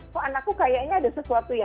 kok anakku kayaknya ada sesuatu ya